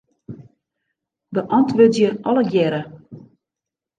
Beäntwurdzje allegearre.